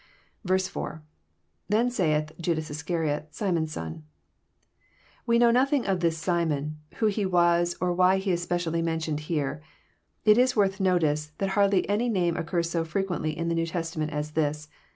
i.—lThen 9aith,..Juda8 Iscariot, Simon*s son."] We know nothing of this Simon, who he was, or why he is specially mentioned here. It is worth notice, that hardly any name occurs so fre quently in the New Testament as this.